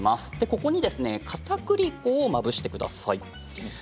ここにかたくり粉をまぶしてください。